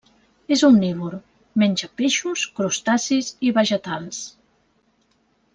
És omnívor: menja peixos, crustacis i vegetals.